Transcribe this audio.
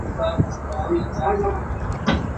Khrihfabu remhnak hi a herh zungzalmi a si.